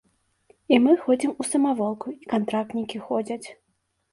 І мы ходзім у самаволку, і кантрактнікі ходзяць.